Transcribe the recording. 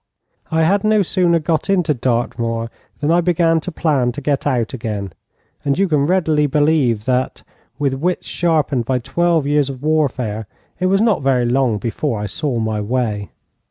I had no sooner got into Dartmoor than I began to plan to get out again, and you can readily believe that, with wits sharpened by twelve years of warfare, it was not very long before I saw my way.